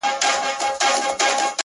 پښتې ستري تر سترو؛ استثناء د يوې گوتي؛